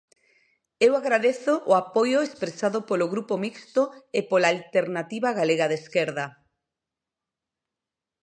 Eu agradezo o apoio expresado polo Grupo Mixto e pola Alternativa Galega de Esquerda.